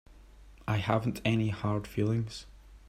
I haven't any hard feelings.